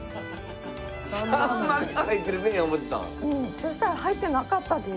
そしたら入ってなかったです。